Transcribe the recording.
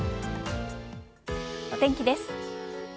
お天気です。